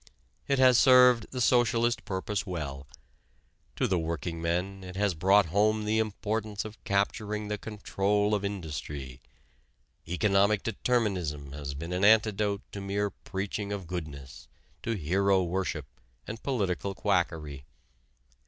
It has served the socialist purpose well. To the workingmen it has brought home the importance of capturing the control of industry. Economic determinism has been an antidote to mere preaching of goodness, to hero worship and political quackery.